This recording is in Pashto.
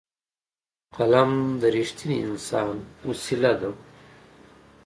قلم د رښتیني انسان وسېله ده